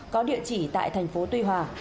có địa chỉ tại thành phố tuy hòa